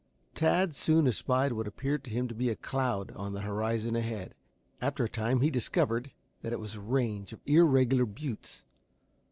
Tad soon espied what appeared to him to be a cloud on the horizon ahead. After a time he discovered that it was a range of irregular buttes.